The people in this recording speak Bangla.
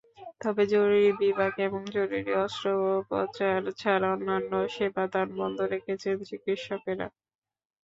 তবে জরুরি বিভাগ এবং জরুরি অস্ত্রোপচার ছাড়া অন্যান্য সেবাদান বন্ধ রেখেছেন চিকিৎসকেরা।